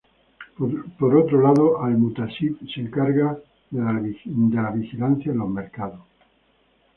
Por otro lado, Al-Muhtasib se encargaba de la vigilancia en los mercados.